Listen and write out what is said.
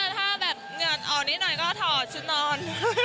ถ้าแบบเหงื่อนออกนิดหน่อยก็ถอดชุดนอน